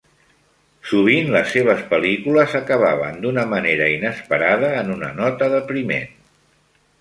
Sovint, les seves pel·lícules acabaven d'una manera inesperada en una nota depriment.